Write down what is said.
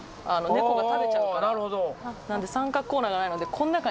なんで三角コーナーがないのでこの中に。